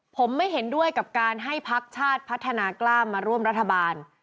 ผมไม่เห็นด้วยกับการให้พักชาติพัฒนากล้ามมาร่วมรัฐบาล